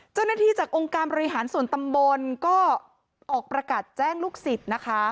เจ้าหน้าที่จากองค์การบริหารส่วนตำบลก็ออกประกาศแจ้งลูกศิษย์นะคะ